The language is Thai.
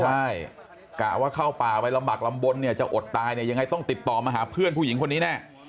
ใช่กะว่าเข้าป่าไปลำบากลำบลเนี่ยจะอดตายเนี่ยยังไงต้องติดต่อมาหาเพื่อนผู้หญิงคนนี้แน่